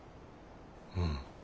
うん。